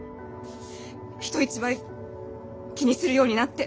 人一倍気にするようになって。